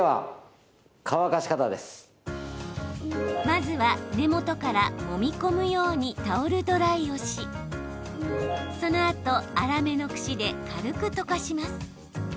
まずは根元からもみ込むようにタオルドライをしそのあと粗めのクシで軽くとかします。